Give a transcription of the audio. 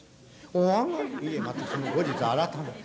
『いいえまた後日改めて』。